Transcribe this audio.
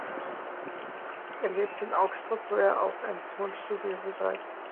Er lebt in Augsburg, wo er auch ein Tonstudio betreibt.